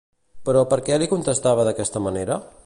Però perquè li contestava d'aquesta manera?